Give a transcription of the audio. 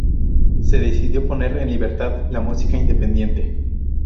Se decidió poner en libertad la música independiente.